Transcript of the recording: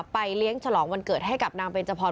เลี้ยงฉลองวันเกิดให้กับนางเบนจพร